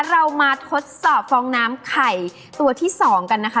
เรามาทดสอบฟองน้ำไข่ตัวที่๒กันนะคะ